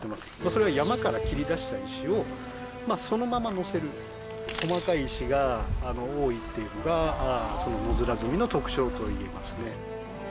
それは山から切り出した石をそのままのせる細かい石が多いっていうのがその野面積みの特徴といえますね